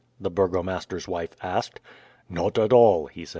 the burgomaster's wife asked. "Not at all," he said.